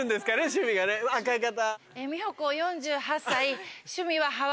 趣味がね赤い方。